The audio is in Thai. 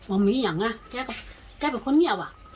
ว่ามีอย่างอ่ะแกก็แกเป็นคนเงียบอ่ะ